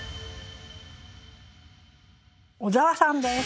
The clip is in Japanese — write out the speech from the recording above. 小沢さんです。